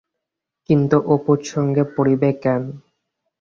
কিন্তু অপুর সঙ্গে পরিবে কেন?